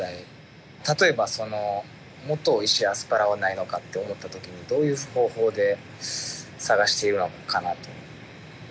例えばもっとおいしいアスパラはないのかって思った時にどういう方法で探しているのかなと。